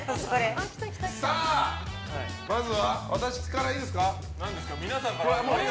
まずは、私からいいですか。